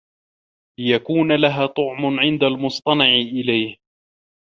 لِيَكُونَ لَهَا طَعْمٌ عِنْدَ الْمُصْطَنَعِ إلَيْهِ